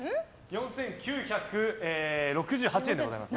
４９６８円でございます。